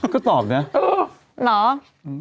ก็ตอบเนี่ย